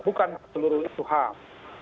bukan seluruh isu ham